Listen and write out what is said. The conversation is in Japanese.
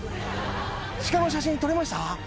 シカの写真撮れました？